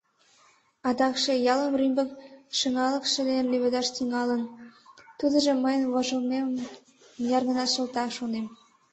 Адакше ялым рӱмбык шыҥалыкше дене леведаш тӱҥалын, тудыжо мыйын вожылмемым мыняр-гынат шылта, шонем.